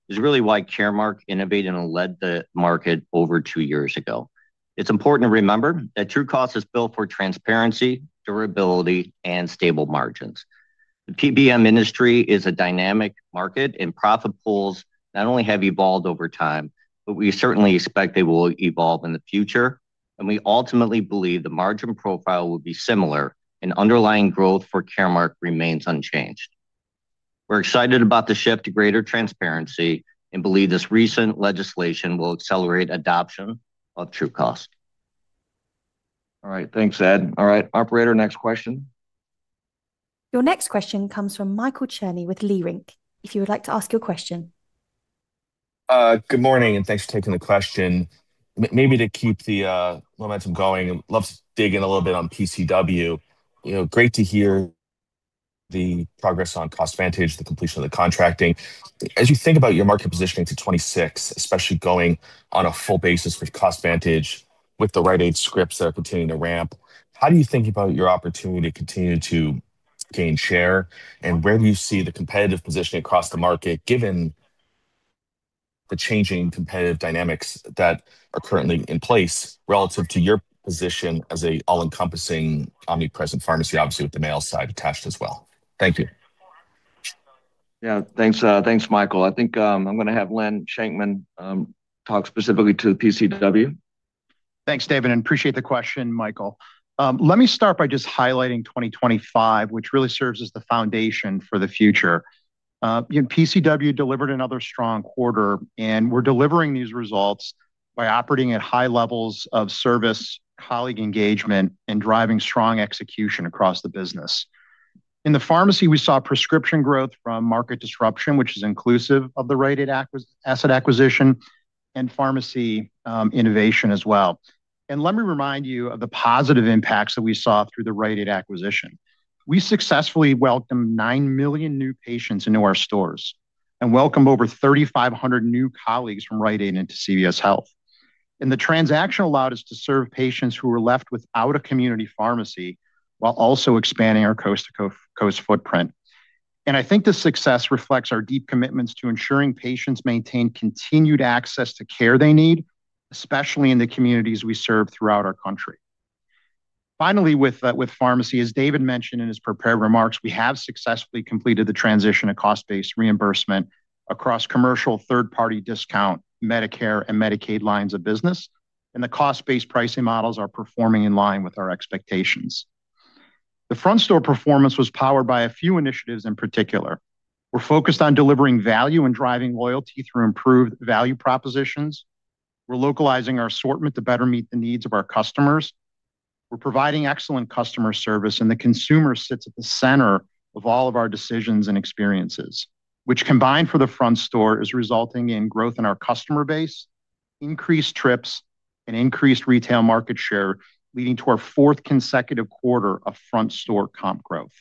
is really why Caremark innovated and led the market over two years ago. It's important to remember that TrueCost is built for transparency, durability, and stable margins. The PBM industry is a dynamic market, and profit pools not only have evolved over time, but we certainly expect they will evolve in the future. We ultimately believe the margin profile will be similar, and underlying growth for Caremark remains unchanged. We're excited about the shift to greater transparency and believe this recent legislation will accelerate adoption of TrueCost. All right. Thanks, Ed. All right. Operator, next question. Your next question comes from Michael Cherny with Leerink. If you would like to ask your question. Good morning, and thanks for taking the question. Maybe to keep the momentum going, I'd love to dig in a little bit on PCW. Great to hear the progress on CostVantage, the completion of the contracting. As you think about your market positioning to 2026, especially going on a full basis for CostVantage with the Rite Aid scripts that are continuing to ramp, how do you think about your opportunity to continue to gain share? And where do you see the competitive position across the market given the changing competitive dynamics that are currently in place relative to your position as an all-encompassing, omnipresent pharmacy, obviously with the mail side attached as well? Thank you. Thanks, Michael. I think I'm going to have Prem Shah talk specifically to the PCW. Thanks, David. I appreciate the question, Michael. Let me start by just highlighting 2025, which really serves as the foundation for the future. PCW delivered another strong quarter, and we're delivering these results by operating at high levels of service, colleague engagement, and driving strong execution across the business. In the pharmacy, we saw prescription growth from market disruption, which is inclusive of the Rite Aid asset acquisition, and pharmacy innovation as well. Let me remind you of the positive impacts that we saw through the Rite Aid acquisition. We successfully welcomed 9 million new patients into our stores and welcomed over 3,500 new colleagues from Rite Aid into CVS Health. The transaction allowed us to serve patients who were left without a community pharmacy while also expanding our coast-to-coast footprint. I think this success reflects our deep commitments to ensuring patients maintain continued access to care they need, especially in the communities we serve throughout our country. Finally, with pharmacy, as David mentioned in his prepared remarks, we have successfully completed the transition to cost-based reimbursement across commercial third-party discount, Medicare, and Medicaid lines of business. The cost-based pricing models are performing in line with our expectations. The front-store performance was powered by a few initiatives in particular. We're focused on delivering value and driving loyalty through improved value propositions. We're localizing our assortment to better meet the needs of our customers. We're providing excellent customer service, and the consumer sits at the center of all of our decisions and experiences, which combined for the front store is resulting in growth in our customer base, increased trips, and increased retail market share, leading to our fourth consecutive quarter of front-store comp growth.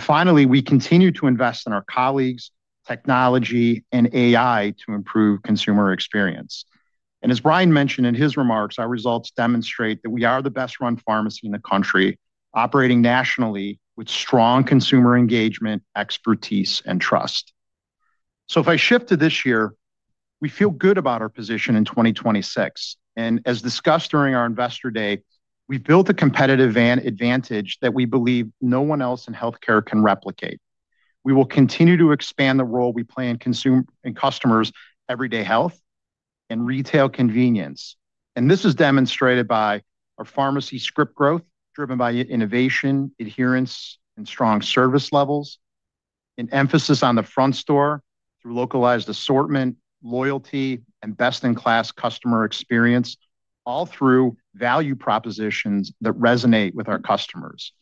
Finally, we continue to invest in our colleagues, technology, and AI to improve consumer experience. As Brian mentioned in his remarks, our results demonstrate that we are the best-run pharmacy in the country, operating nationally with strong consumer engagement, expertise, and trust. If I shift to this year, we feel good about our position in 2026. As discussed during our investor day, we've built a competitive advantage that we believe no one else in healthcare can replicate. We will continue to expand the role we play in customers' everyday health and retail convenience. And this is demonstrated by our pharmacy script growth driven by innovation, adherence, and strong service levels, and emphasis on the front store through localized assortment, loyalty, and best-in-class customer experience, all through value propositions that resonate with our customers.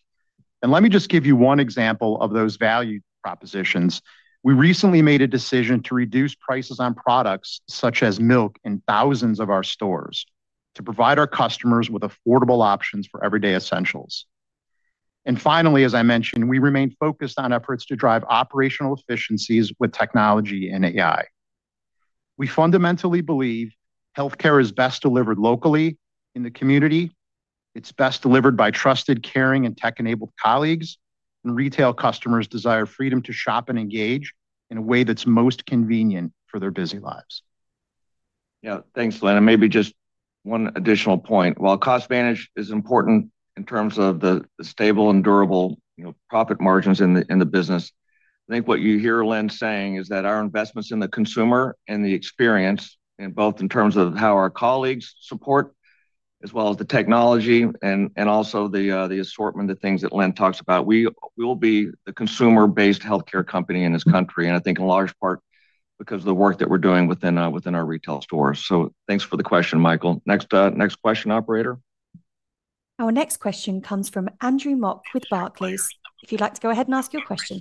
And let me just give you one example of those value propositions. We recently made a decision to reduce prices on products such as milk in thousands of our stores to provide our customers with affordable options for everyday essentials. And finally, as I mentioned, we remain focused on efforts to drive operational efficiencies with technology and AI. We fundamentally believe healthcare is best delivered locally in the community. It's best delivered by trusted, caring, and tech-enabled colleagues. And retail customers desire freedom to shop and engage in a way that's most convenient for their busy lives. Thanks, Prem. And maybe just one additional point. While CostVantage is important in terms of the stable and durable profit margins in the business, I think what you hear Prem saying is that our investments in the consumer and the experience, both in terms of how our colleagues support, as well as the technology and also the assortment of things that Prem talks about, we will be the consumer-based healthcare company in this country, and I think in large part because of the work that we're doing within our retail stores. So thanks for the question, Michael. Next question, operator. Our next question comes from Andrew Mok with Barclays. If you'd like to go ahead and ask your question.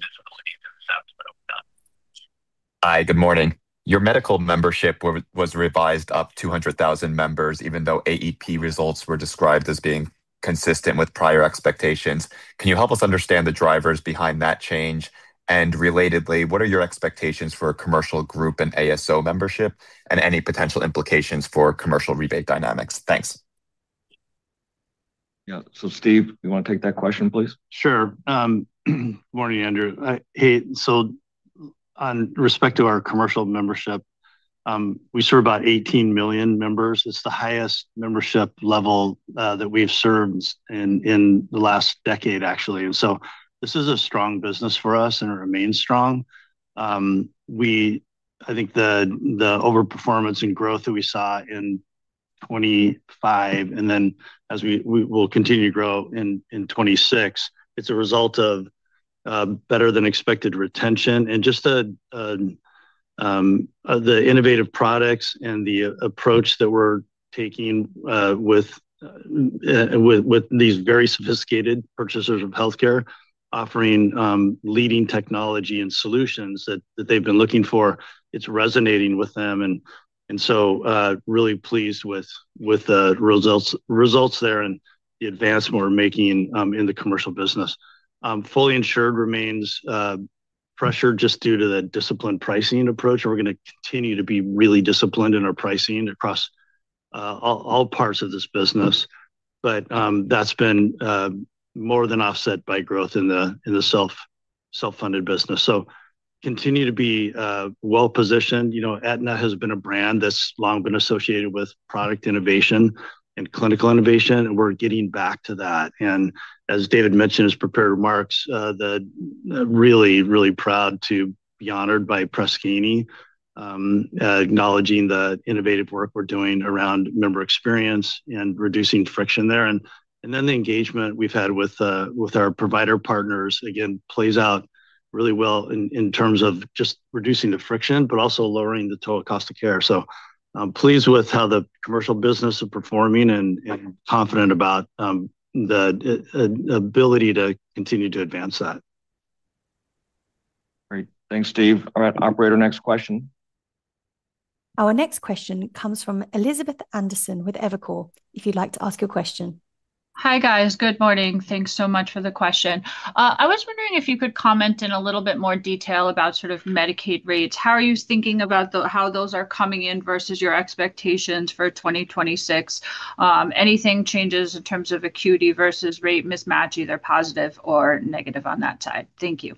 Hi, good morning. Your medical membership was revised up 200,000 members, even though AEP results were described as being consistent with prior expectations. Can you help us understand the drivers behind that change? And relatedly, what are your expectations for a commercial group and ASO membership and any potential implications for commercial rebate dynamics? Thanks. So Steve, you want to take that question, please? Sure. Good morning, Andrew. So in respect to our commercial membership, we serve about 18 million members. It's the highest membership level that we've served in the last decade, actually. And so this is a strong business for us, and it remains strong. I think the overperformance and growth that we saw in 2025 and then as we will continue to grow in 2026, it's a result of better than expected retention and just the innovative products and the approach that we're taking with these very sophisticated purchasers of healthcare, offering leading technology and solutions that they've been looking for. It's resonating with them. And so really pleased with the results there and the advancement we're making in the commercial business. Fully insured remains pressured just due to the disciplined pricing approach. And we're going to continue to be really disciplined in our pricing across all parts of this business. But that's been more than offset by growth in the self-funded business. So continue to be well-positioned. Aetna has been a brand that's long been associated with product innovation and clinical innovation. And we're getting back to that. And as David mentioned in his prepared remarks, really, really proud to be honored by Press Ganey acknowledging the innovative work we're doing around member experience and reducing friction there. And then the engagement we've had with our provider partners, again, plays out really well in terms of just reducing the friction but also lowering the total cost of care. So pleased with how the commercial business is performing and confident about the ability to continue to advance that. Great. Thanks, Steve. All right, operator, next question. Our next question comes from Elizabeth Anderson with Evercore. If you'd like to ask your question. Hi, guys. Good morning. Thanks so much for the question. I was wondering if you could comment in a little bit more detail about sort of Medicaid rates. How are you thinking about how those are coming in versus your expectations for 2026? Anything changes in terms of acuity versus rate mismatch, either positive or negative on that side? Thank you.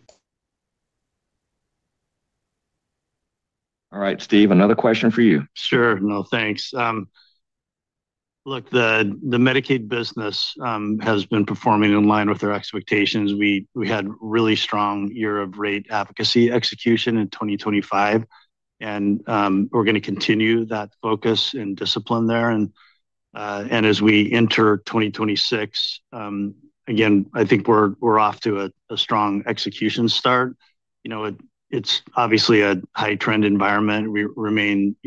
All right, Steve, another question for you. Sure. No, thanks. Look, the Medicaid business has been performing in line with our expectations. We had a really strong year of rate advocacy execution in 2025. And we're going to continue that focus and discipline there. And as we enter 2026, again, I think we're off to a strong execution start. It's obviously a high-trend environment. We remain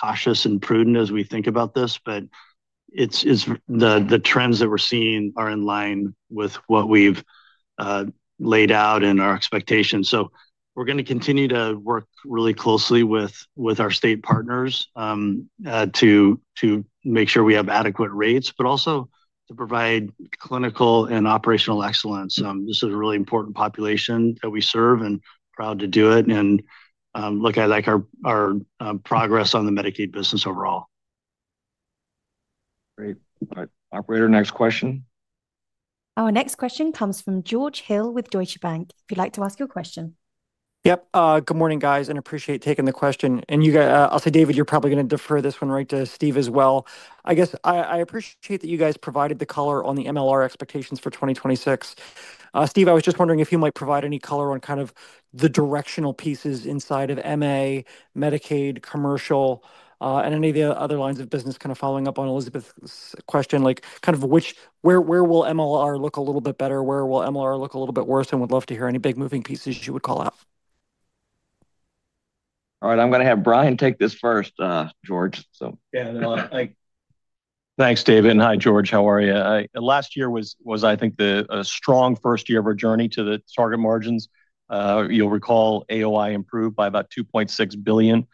cautious and prudent as we think about this. But the trends that we're seeing are in line with what we've laid out in our expectations. So we're going to continue to work really closely with our state partners to make sure we have adequate rates but also to provide clinical and operational excellence. This is a really important population that we serve and proud to do it. And look, I like our progress on the Medicaid business overall. Great. All right, operator, next question. Our next question comes from George Hill with Deutsche Bank. If you'd like to ask your question. Yep. Good morning, guys. Appreciate taking the question. I'll say, David, you're probably going to defer this one right to Steve as well. I guess I appreciate that you guys provided the color on the MLR expectations for 2026. Steve, I was just wondering if you might provide any color on kind of the directional pieces inside of MA, Medicaid, commercial, and any of the other lines of business kind of following up on Elizabeth's question, kind of where will MLR look a little bit better? Where will MLR look a little bit worse? We'd love to hear any big moving pieces you would call out. All right. I'm going to have Brian take this first, George, so. Thanks, David. And hi, George. How are you? Last year was, I think, a strong first year of our journey to the target margins. You'll recall AOI improved by about $2.6 billion.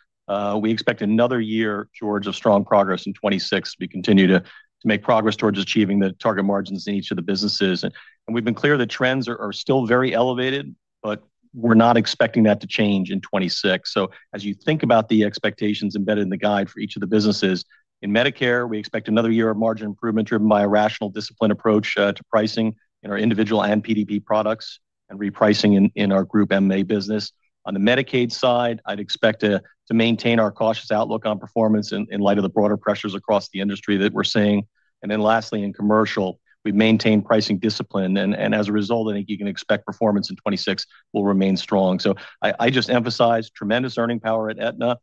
We expect another year, George, of strong progress in 2026 to continue to make progress towards achieving the target margins in each of the businesses. And we've been clear the trends are still very elevated, but we're not expecting that to change in 2026. So as you think about the expectations embedded in the guide for each of the businesses, in Medicare, we expect another year of margin improvement driven by a rational discipline approach to pricing in our individual and PDP products and repricing in our group MA business. On the Medicaid side, I'd expect to maintain our cautious outlook on performance in light of the broader pressures across the industry that we're seeing. Then lastly, in commercial, we've maintained pricing discipline. As a result, I think you can expect performance in 2026 will remain strong. So I just emphasized tremendous earning power at Aetna.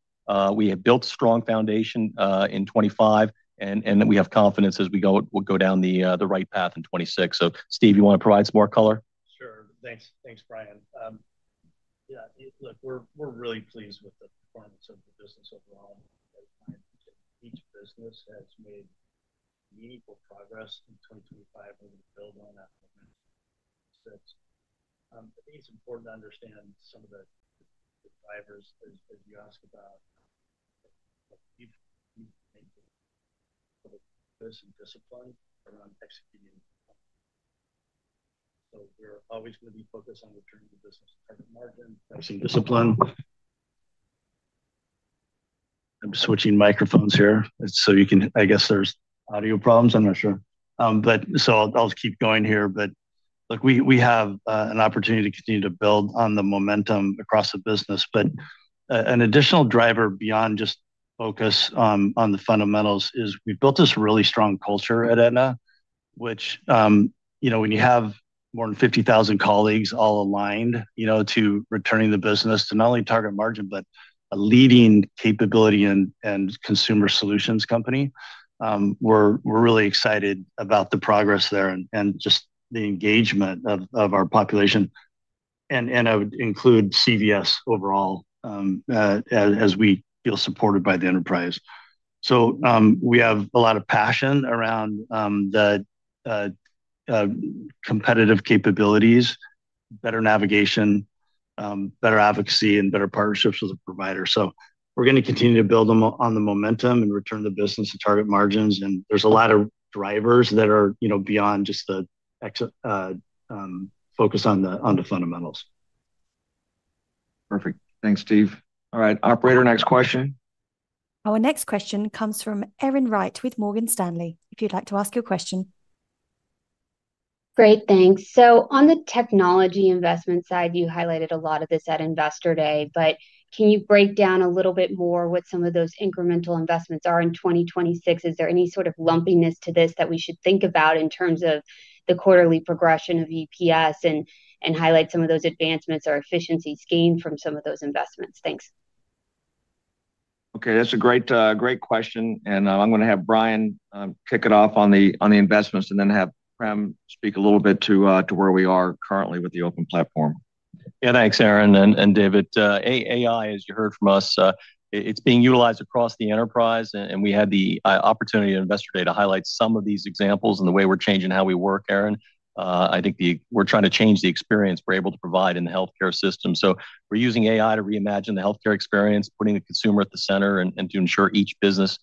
We have built a strong foundation in 2025, and we have confidence as we go down the right path in 2026. So Steve, you want to provide some more color? Sure. Thanks, Brian. Look, we're really pleased with the performance of the business overall. As you can see, each business has made meaningful progress in 2025. We're going to build on that from 2026. I think it's important to understand some of the drivers, as you asked about. We need to maintain public focus and discipline around executing the plan. We're always going to be focused on returning the business to target margin. Pricing discipline. I'm switching microphones here so you can I guess there's audio problems. I'm not sure. So I'll keep going here. But look, we have an opportunity to continue to build on the momentum across the business. But an additional driver beyond just focus on the fundamentals is we've built this really strong culture at Aetna, which when you have more than 50,000 colleagues all aligned to returning the business to not only target margin but a leading capability and consumer solutions company, we're really excited about the progress there and just the engagement of our population. And I would include CVS overall as we feel supported by the enterprise. So we have a lot of passion around the competitive capabilities, better navigation, better advocacy, and better partnerships with the provider. So we're going to continue to build on the momentum and return the business to target margins. There's a lot of drivers that are beyond just the focus on the fundamentals. Perfect. Thanks, Steve. All right, operator, next question. Our next question comes from Erin Wright with Morgan Stanley. If you'd like to ask your question. Great. Thanks. So on the technology investment side, you highlighted a lot of this at Investor Day. But can you break down a little bit more what some of those incremental investments are in 2026? Is there any sort of lumpiness to this that we should think about in terms of the quarterly progression of EPS and highlight some of those advancements or efficiencies gained from some of those investments? Thanks. Okay. That's a great question. I'm going to have Brian kick it off on the investments and then have Prem speak a little bit to where we are currently with the open platform. Thanks Erin and David. AI, as you heard from us, it's being utilized across the enterprise. We had the opportunity on Investor Day to highlight some of these examples and the way we're changing how we work, Erin. I think we're trying to change the experience we're able to provide in the healthcare system. We're using AI to reimagine the healthcare experience, putting the consumer at the center, and to ensure each business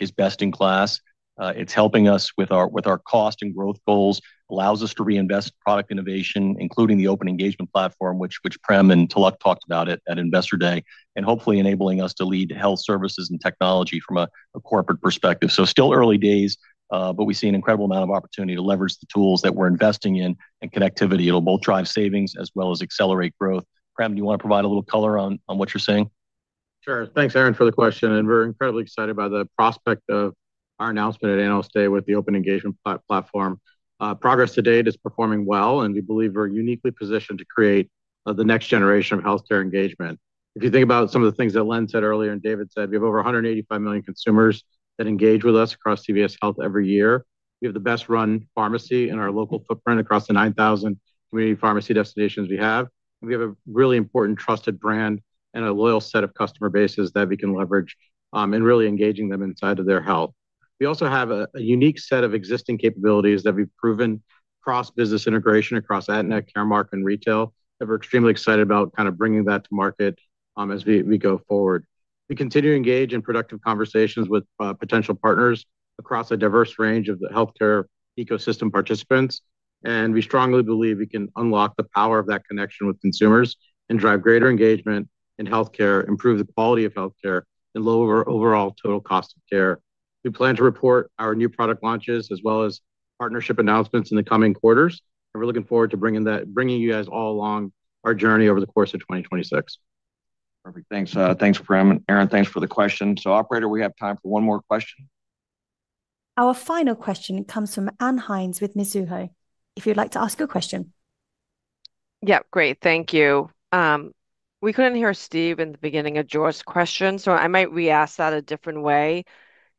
is best in class. It's helping us with our cost and growth goals, allows us to reinvest product innovation, including the Open Engagement Platform, which Prem and Tilak talked about at Investor Day, and hopefully enabling us to lead health services and technology from a corporate perspective. Still early days, but we see an incredible amount of opportunity to leverage the tools that we're investing in and connectivity. It'll both drive savings as well as accelerate growth. Prem, do you want to provide a little color on what you're saying? Sure. Thanks, Erin, for the question. We're incredibly excited by the prospect of our announcement at Analyst Day with the Open Engagement Platform. Progress to date is performing well, and we believe we're uniquely positioned to create the next generation of healthcare engagement. If you think about some of the things that Prem said earlier and David said, we have over 185 million consumers that engage with us across CVS Health every year. We have the best-run pharmacy in our local footprint across the 9,000 community pharmacy destinations we have. We have a really important trusted brand and a loyal set of customer bases that we can leverage in really engaging them inside of their health. We also have a unique set of existing capabilities that we've proven cross-business integration across Aetna, Caremark, and retail that we're extremely excited about kind of bringing that to market as we go forward. We continue to engage in productive conversations with potential partners across a diverse range of the healthcare ecosystem participants. We strongly believe we can unlock the power of that connection with consumers and drive greater engagement in healthcare, improve the quality of healthcare, and lower overall total cost of care. We plan to report our new product launches as well as partnership announcements in the coming quarters. We're looking forward to bringing you guys all along our journey over the course of 2026. Perfect. Thanks, Prem. And Aaron, thanks for the question. So operator, we have time for one more question. Our final question comes from Ann Hynes with Mizuho. If you'd like to ask your question. Great. Thank you. We couldn't hear Steve in the beginning of George's question, so I might reask that a different way.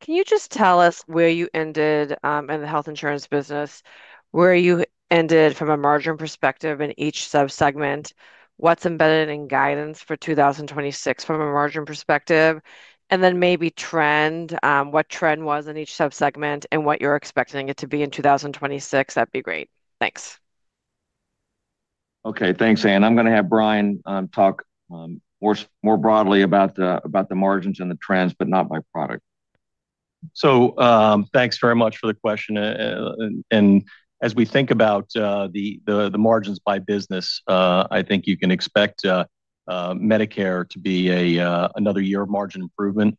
Can you just tell us where you ended in the health insurance business, where you ended from a margin perspective in each subsegment, what's embedded in guidance for 2026 from a margin perspective, and then maybe trend, what trend was in each subsegment, and what you're expecting it to be in 2026? That'd be great. Thanks. Okay. Thanks, Anne. I'm going to have Brian talk more broadly about the margins and the trends, but not by product. So thanks very much for the question. And as we think about the margins by business, I think you can expect Medicare to be another year of margin improvement.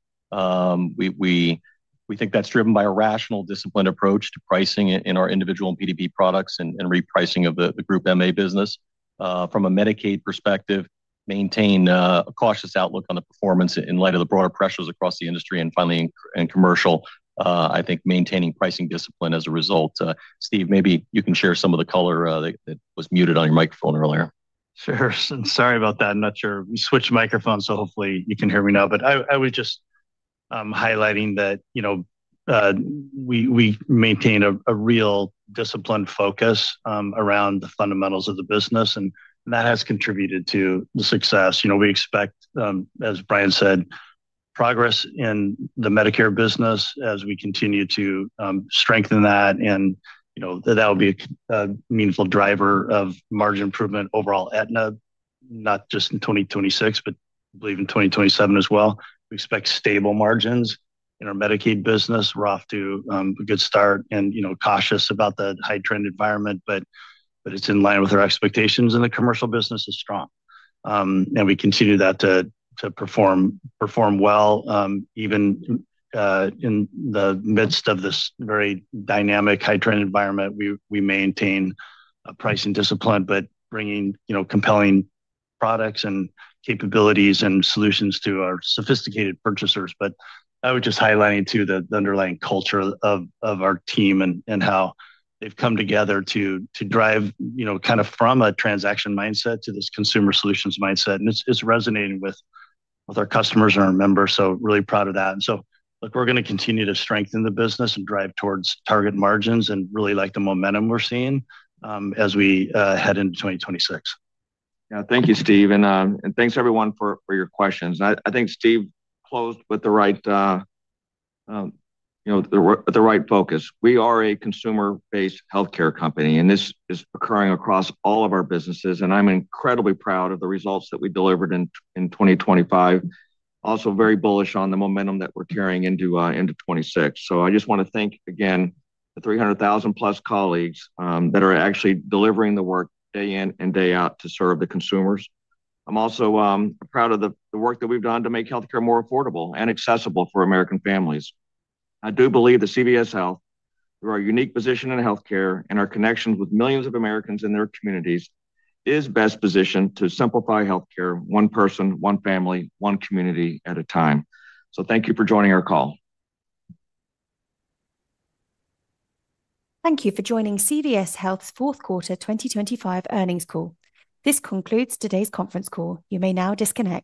We think that's driven by a rational disciplined approach to pricing in our individual and PDP products and repricing of the group MA business. From a Medicaid perspective, maintain a cautious outlook on the performance in light of the broader pressures across the industry. And finally, in commercial, I think maintaining pricing discipline as a result. Steve, maybe you can share some of the color that was muted on your microphone earlier. Sure. And sorry about that. I'm not sure. We switched microphones, so hopefully, you can hear me now. But I was just highlighting that we maintain a real disciplined focus around the fundamentals of the business. And that has contributed to the success. We expect, as Brian said, progress in the Medicare business as we continue to strengthen that. And that will be a meaningful driver of margin improvement overall Aetna, not just in 2026, but believe in 2027 as well. We expect stable margins in our Medicaid business. We're off to a good start and cautious about the high-trend environment. But it's in line with our expectations in the commercial business is strong. And we continue that to perform well, even in the midst of this very dynamic, high-trend environment. We maintain pricing discipline but bringing compelling products and capabilities and solutions to our sophisticated purchasers. I was just highlighting too the underlying culture of our team and how they've come together to drive kind of from a transaction mindset to this consumer solutions mindset. It's resonating with our customers and our members. Really proud of that. Look, we're going to continue to strengthen the business and drive towards target margins and really like the momentum we're seeing as we head into 2026. Thank you, Steve. Thanks, everyone, for your questions. I think Steve closed with the right focus. We are a consumer-based healthcare company, and this is occurring across all of our businesses. I'm incredibly proud of the results that we delivered in 2025, also very bullish on the momentum that we're carrying into 2026. So I just want to thank, again, the 300,000-plus colleagues that are actually delivering the work day in and day out to serve the consumers. I'm also proud of the work that we've done to make healthcare more affordable and accessible for American families. I do believe that CVS Health, through our unique position in healthcare and our connections with millions of Americans in their communities, is best positioned to simplify healthcare one person, one family, one community at a time. So thank you for joining our call. Thank you for joining CVS Health's Q4 2025 Earnings Call. This concludes today's conference call. You may now disconnect.